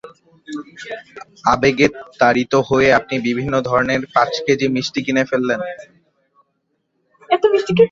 আবেগে তাড়িত হয়ে আপনি বিভিন্ন ধরনের পাঁচ কেজি মিষ্টি কিনে ফেললেন।